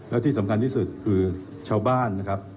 แล้วที่สำคัญที่สุดคือชาวบ้านนะครับ